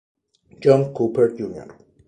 John Cooper Jr.